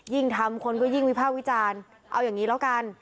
ยิ่งทำคนก็ยิ่งวิภาควิจารณ์เอาอย่างนี้แล้วกัน